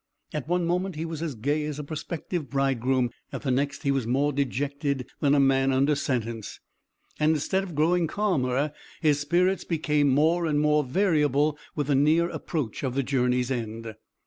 At one moment he was as gay as a prospective bridegroom, at the next he was more dejected than a man under sentence. And instead of growing calmer his spirits became more and more variable with the near approach of the journey's end.